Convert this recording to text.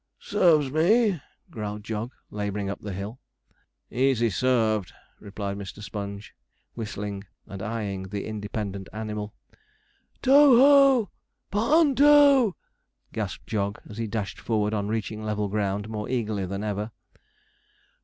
'Serves me,' growled Jog, labouring up the hill. 'Easy served,' replied Mr. Sponge, whistling, and eyeing the independent animal. 'T o o h o o! P o o n t o!' gasped Jog, as he dashed forward on reaching level ground more eagerly than ever.